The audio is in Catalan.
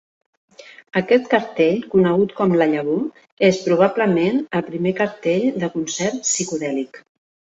Aquest cartell, conegut com "La Llavor", és, probablement, el primer cartell de concert psicodèlic.